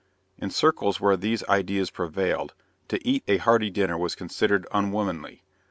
In circles where these ideas prevailed, to eat a hearty dinner was considered unwomanly.